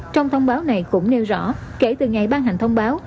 trong thông báo này cũng nêu rõ kể từ ngày ban hành thông báo